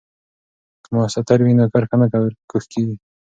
که مسطر وي نو کرښه نه کوږ کیږي.